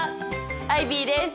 アイビーです。